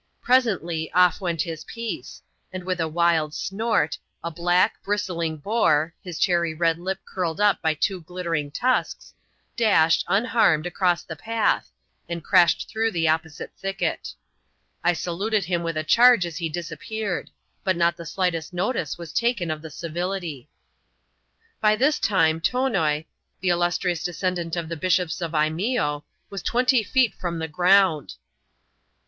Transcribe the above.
Presently, off went his piece ; and with a wild snort, a black, bristling boar — his cherry red lip curled up by two glittering tusks — dashed, unharmed, across the path, and crashed through the opposite thicket I saluted him with a charge as he disappeared; but not the slightest notice was taken of the cirility. By this time, Tonoi, the illustrious descendant of the Bishops of Lneeo> was twenty feet from the ground.